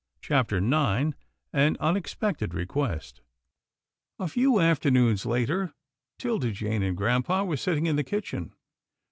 CHAPTER IX AN UNEXPECTED REQUEST A FEW afternoons later, 'Tilda Jane and grampa were sitting in the kitchen.